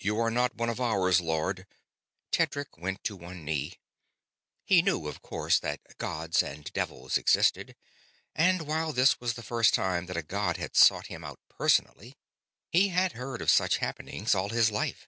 "You are not one of ours, Lord." Tedric went to one knee. He knew, of course, that gods and devils existed; and, while this was the first time that a god had sought him out personally, he had heard of such happenings all his life.